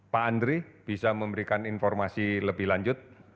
pak andri bisa memberikan informasi lebih lanjut